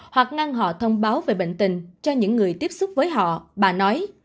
hoặc ngăn họ thông báo về bệnh tình cho những người tiếp xúc với họ bà nói